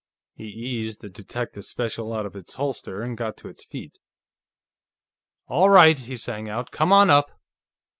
He eased the Detective Special out of its holster and got to his feet. "All right!" he sang out. "Come on up!"